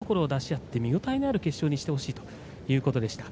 いいところを出し合って見応えのある決勝にしてほしいということでした。